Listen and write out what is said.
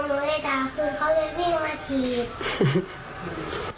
อายะตาคือเขาเรียกวิ่งมาถีบ